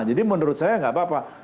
jadi menurut saya gak apa apa